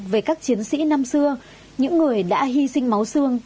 về các chiến sĩ năm xưa những người đã hy sinh máu xương